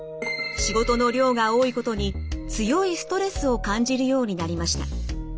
仕事の量が多いことに強いストレスを感じるようになりました。